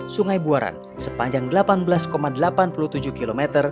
sungai buaran sepanjang delapan belas delapan puluh tujuh km